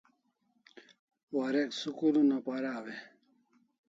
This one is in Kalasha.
Warek school una paraw e?